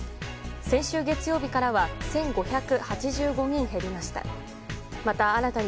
先週月曜日からは１５８５人減りました。